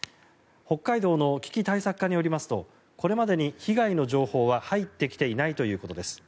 北海道の危機対策課によりますとこれまでに被害の情報は入ってきていないということです。